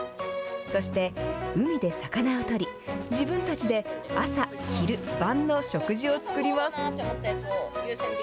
そして海で魚を取り自分たちで朝、昼、晩の食事を作ります。